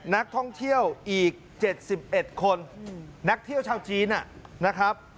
นักท่องเที่ยวอีก๗๑คนนักเที่ยวชาวจีนนะครับ